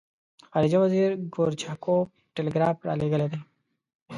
خارجه وزیر ګورچاکوف ټلګراف را لېږلی دی.